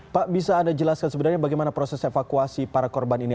pak bisa anda jelaskan sebenarnya bagaimana proses evakuasi para korban ini